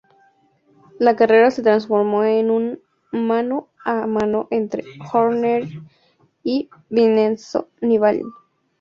La carrera se transformó en un mano a mano entre Horner y Vincenzo Nibali.